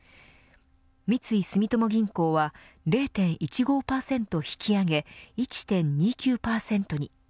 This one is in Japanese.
三井住友銀行は０．１５％引き上げ１．２９％に。